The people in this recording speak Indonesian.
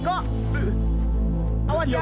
perhatikan ini raja